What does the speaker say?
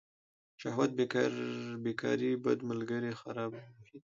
شهوت بیکاري بد ملگري خرابه محیط.